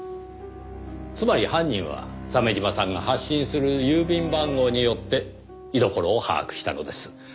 つまり犯人は鮫島さんが発信する郵便番号によって居所を把握したのです。